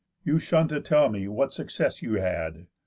You shun to tell me what success you had.